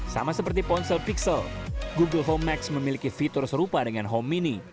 sama seperti ponsel pixel google home max memiliki fitur serupa dengan home mini